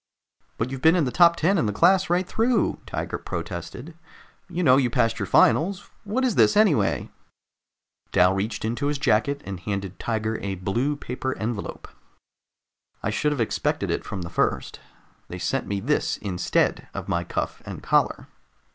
"But you've been in the top ten in the class right through!" Tiger protested. "You know you passed your finals. What is this, anyway?" Dal reached into his jacket and handed Tiger a blue paper envelope. "I should have expected it from the first. They sent me this instead of my cuff and collar."